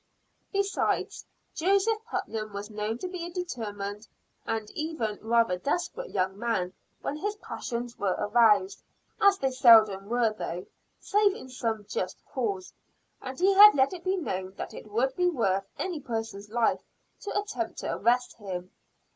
Besides, Joseph Putnam was known to be a determined and even rather desperate young man when his passions were aroused, as they seldom were though, save in some just cause; and he had let it be known that it would be worth any person's life to attempt to arrest him.